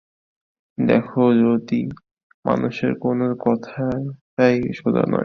দেখো যতী, মানুষের কোনো কথাটাই সোজা নয়।